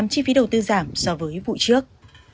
công tư giảm so với vụ trước